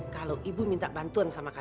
kalau ibu minta bantuan sama kakak